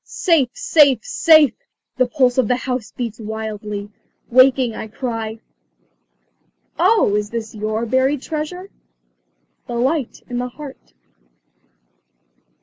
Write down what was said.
"Safe! safe! safe!" the pulse of the house beats wildly. Waking, I cry "Oh, is this your buried treasure? The light in the heart."